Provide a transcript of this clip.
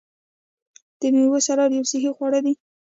د میوو سلاد یو صحي خواړه دي.